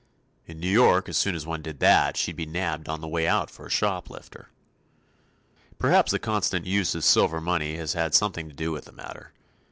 In New York as soon as one did that she'd be nabbed on the way out for a shoplifter. Perhaps the constant use of silver money has had something to do with the matter.